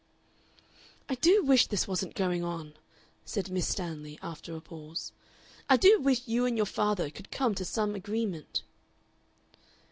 "I do wish this wasn't going on," said Miss Stanley, after a pause. "I do wish you and your father could come to some agreement."